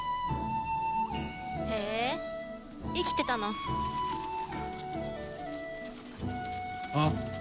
へえ生きてたの？は？